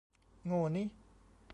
โง่นิ